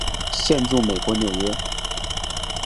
现住美国纽约。